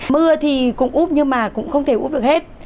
mưa thì cũng úp nhưng mà cũng không thể úp được hết